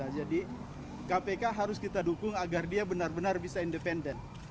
jadi kpk harus kita dukung agar dia benar benar bisa independen